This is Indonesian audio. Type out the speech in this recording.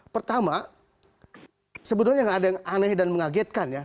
pertama sebenarnya tidak ada yang aneh dan mengagetkan ya